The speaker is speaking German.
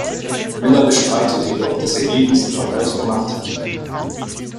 Miller bestreitet jedoch, dass er je diesen Vergleich gemacht hätte.